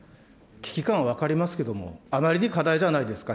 危機感は分かりますけども、あまりに過大じゃないですか。